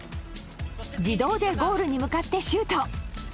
自動でゴールに向かってシュート。